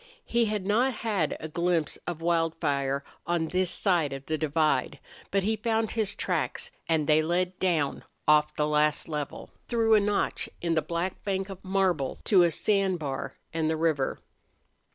He had not had a glimpse of Wildfire on this side of the divide, but he found his tracks, and they led down off the last level, through a notch in the black bank of marble to a sand bar and the river.